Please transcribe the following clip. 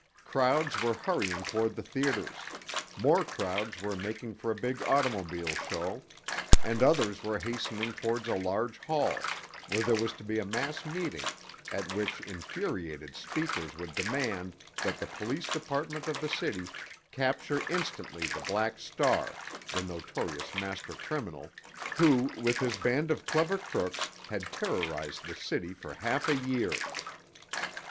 Crowds were hurrying toward the theaters; more crowds were making for a big automobile show, and others were hastening toward a large hall, where there was to be a mass meeting, at which infuriated speakers would demand that the police department of the city capture instantly the Black Star, the notorious master criminal, who, with his band of clever crooks, had terrorized the city for half a year.